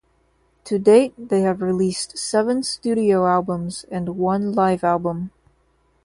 To date, they have released seven studio albums and one live album.